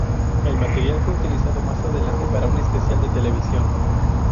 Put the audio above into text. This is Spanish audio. El material fue utilizado más adelante para un especial de televisión.